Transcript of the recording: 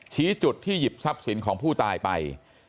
ชี้จุดที่หยิบทรัพย์สินของผู้ตายไป